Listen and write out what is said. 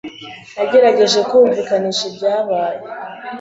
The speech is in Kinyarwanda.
Nagerageje kumvikanisha ibyabaye.